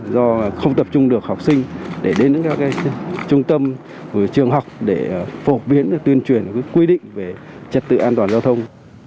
do không tập trung được học sinh để đến các trung tâm trường học để phổ biến tuyên truyền quy định về trật tự an toàn giao thông